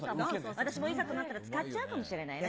私もいざとなったら使っちゃうかもしれないね。